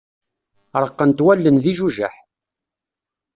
Reqqent wallen d ijujaḥ.